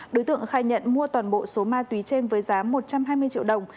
đối tượng khai nhận mua toàn bộ số ma túy trên với giá một trăm hai mươi triệu đồng